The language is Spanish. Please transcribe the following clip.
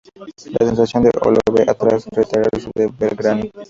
La sensación de Olave tras retirarse de Belgrano